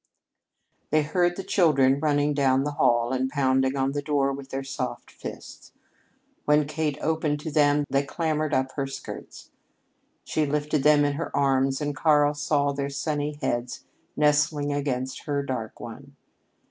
They heard the children running down the hall and pounding on the door with their soft fists. When Kate opened to them, they clambered up her skirts. She lifted them in her arms, and Karl saw their sunny heads nestling against her dark one.